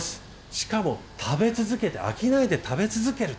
しかも食べ続けて飽きないで食べ続ける。